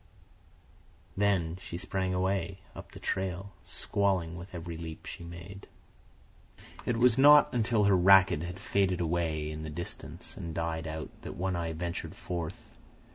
Then she sprang away, up the trail, squalling with every leap she made. It was not until her racket had faded away in the distance and died out that One Eye ventured forth.